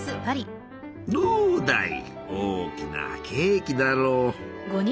どうだい大きなケーキだろう！